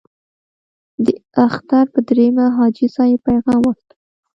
د اختر په دریمه حاجي صاحب پیغام واستاوه.